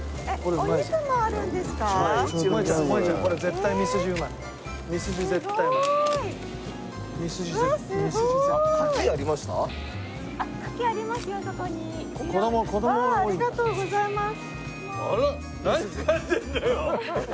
うわあありがとうございます。